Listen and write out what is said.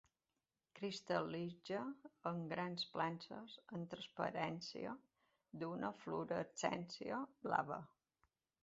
Cristal·litza en grans planxes amb transparència d'una fluorescència blava.